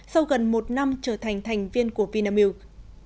sau gần một năm trở thành thành viên của vinamilk